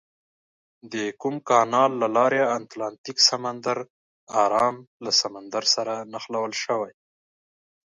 د کوم کانال له لارې اتلانتیک سمندر ارام له سمندر سره نښلول شوي؟